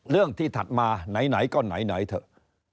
เรื่องที่ถัดมาไหนก็ไหนเถอะ